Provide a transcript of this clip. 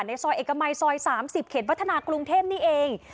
ในซอยเอกมายซอยสามสิบเขตวัฒนากรุงเทพนี่เอง